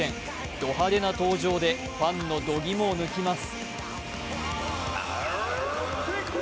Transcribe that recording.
ド派手な登場でファンのどぎもを抜きます。